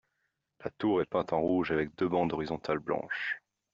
La tour est peinte en rouge avec deux bandes horizontales blanches.